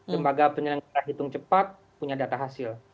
lembaga penyelenggara hitung cepat punya data hasil